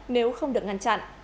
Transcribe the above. nếu không được ngăn chặn